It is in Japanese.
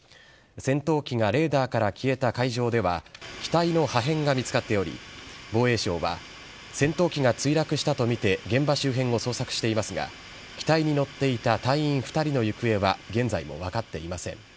戦闘機がレーダーから消えた海上では、機体の破片が見つかっており、防衛省は、戦闘機が墜落したと見て、現場周辺を捜索していますが、機体に乗っていた隊員２人の行方は、現在も分かっていません。